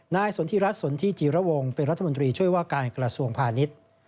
สนทิรัฐสนที่จีระวงเป็นรัฐมนตรีช่วยว่าการกระทรวงพาณิชย์